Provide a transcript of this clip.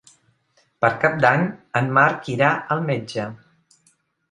Per Cap d'Any en Marc irà al metge.